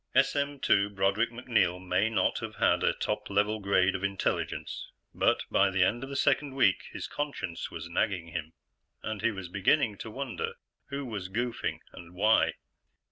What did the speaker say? SM/2 Broderick MacNeil may not have had a top level grade of intelligence, but by the end of the second week, his conscience was nagging him, and he was beginning to wonder who was goofing and why.